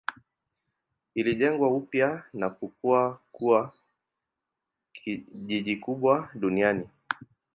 Ilijengwa upya na kukua kuwa jiji kubwa duniani.